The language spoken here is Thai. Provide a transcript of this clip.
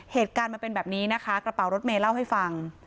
เหตุการณ์มันเป็นแบบนี้นะคะกระเป๋ารถเมย์เล่าให้ฟัง